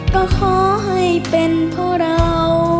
ก็ขอให้เป็นเพราะเรา